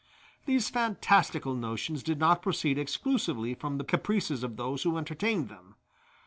These fantastical notions did not proceed exclusively from the caprices of those who entertained them.